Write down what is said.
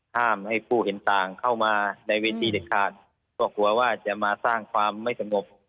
ห้ามให้ผู้เห็นต่างเข้ามาในเวทีเด็ดขาดก็กลัวว่าจะมาสร้างความไม่สงบ